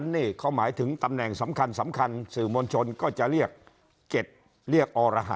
นี่เขาหมายถึงตำแหน่งสำคัญสำคัญสื่อมวลชนก็จะเรียก๗เรียกอร๕